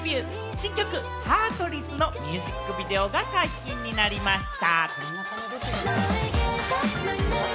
新曲『ＨＥＡＲＴＲＩＳ』のミュージックビデオが解禁になりました。